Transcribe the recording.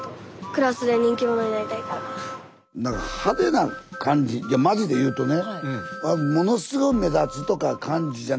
なんか派手な感じマジで言うとね